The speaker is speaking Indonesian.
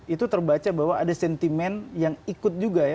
itu terbaca bahwa ada sentimen yang ikut juga ya